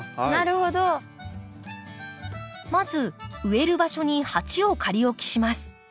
まず植える場所に鉢を仮置きします。